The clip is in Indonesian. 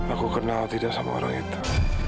aku kenal tidak sama orang ita